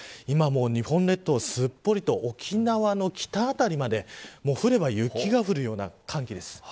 今、日本列島すっぽりと沖縄の北辺りまで雪が降るような寒気です。